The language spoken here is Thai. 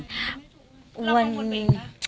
แล้วควรเป็นไง